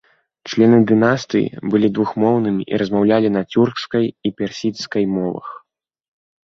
Члены дынастыі былі двухмоўнымі і размаўлялі на цюркскай і персідскай мовах.